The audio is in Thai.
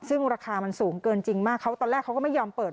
ซึ่งราคามันสูงเกินจริงมากเขาตอนแรกเขาก็ไม่ยอมเปิด